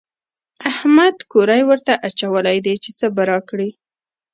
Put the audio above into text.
احمد کوری ورته اچولی دی چې څه به راکړي.